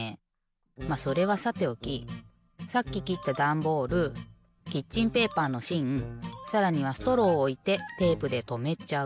まっそれはさておきさっききったダンボールキッチンペーパーのしんさらにはストローをおいてテープでとめちゃう。